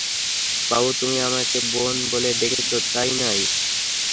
বাবু, তুমি আমাকে বোন বলে ডেকেছ, তাই না?